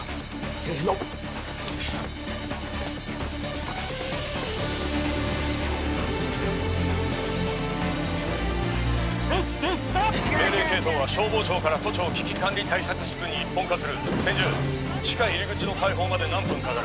せーの命令系統は消防庁から都庁危機管理対策室に一本化する千住地下入り口の開放まで何分かかる？